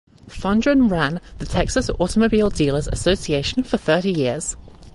Fondren ran the Texas Automobile Dealers Association for thirty years.